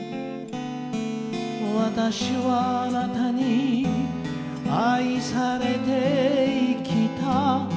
「私はあなたに愛されて生きた」